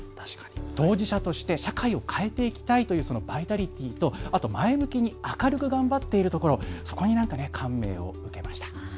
当事者として社会を変えていきたいというバイタリティーと前向きに明るく頑張っているところそこに感銘を受けました。